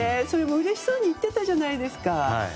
それもうれしそうに言っていたじゃないですか。